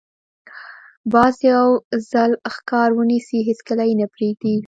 باز یو ځل ښکار ونیسي، هېڅکله یې نه پرېږدي